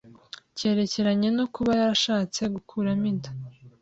kerekeranye no kuba yarashatse gukuramo inda,